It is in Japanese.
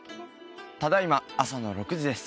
ただ今朝の６時です